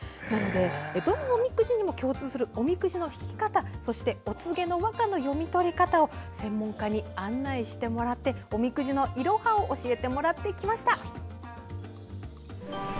なのでどのおみくじにも共通するおみくじの引き方そして、お告げの和歌の読み取り方を専門家に案内してもらっておみくじのいろはを教わってきました。